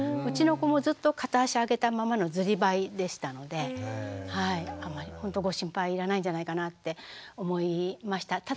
うちの子もずっと片足上げたままのずりばいでしたのでほんとご心配いらないんじゃないかなって思いました。